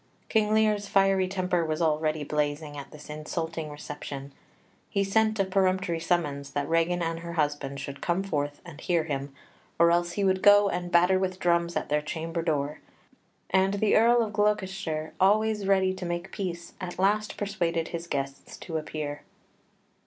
King Lear's fiery temper was already blazing at this insulting reception. He sent a peremptory summons that Regan and her husband should come forth and hear him, or else he would go and batter with drums at their chamber door; and the Earl of Gloucester, always ready to make peace, at last persuaded his guests to appear.